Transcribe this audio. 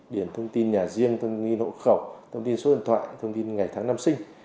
điển thông tin nhà riêng thông nghi hộ khẩu thông tin số điện thoại thông tin ngày tháng năm sinh